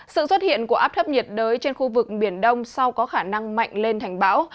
sự xuất hiện của áp thấp nhiệt đới trên khu vực biển đông sau có khả năng mạnh lên thành bão